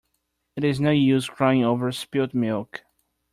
It is no use crying over spilt milk.